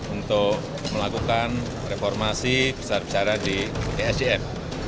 untuk melakukan reformasi besar besaran di esdm